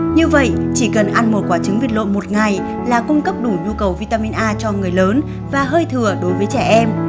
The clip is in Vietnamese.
như vậy chỉ cần ăn một quả trứng vịt lộn một ngày là cung cấp đủ nhu cầu vitamin a cho người lớn và hơi thừa đối với trẻ em